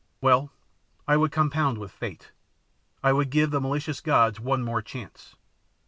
Well, I would compound with Fate. I would give the malicious gods one more chance.